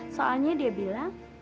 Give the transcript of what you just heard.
soalnya dia bilang